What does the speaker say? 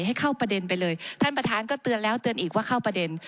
ให้เข้าประเด็นไปเลยท่านประธานก็เตือนแล้วเตือนอีกว่าเข้าประเด็น